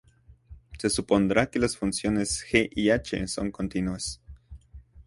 Se supondrá que las funciones g y h son continuas.